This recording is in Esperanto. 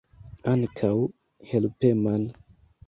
Ankaŭ helpeman.